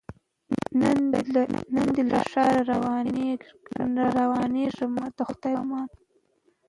نن دي له ښاره روانېږمه د خدای په امان